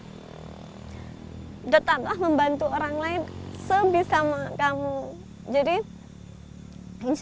jika memang kamu sudah mentok tidak bisa menolong dirimu sendiri